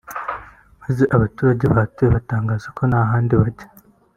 maze abaturage bahatuye batangaza ko nta handi bajya